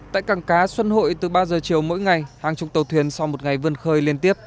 tại cảng cá xuân hội từ ba giờ chiều mỗi ngày hàng chục tàu thuyền sau một ngày vươn khơi liên tiếp